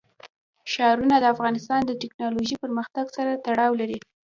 ښارونه د افغانستان د تکنالوژۍ پرمختګ سره تړاو لري.